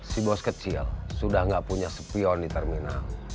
si bos kecil sudah enggak punya sepion di terminal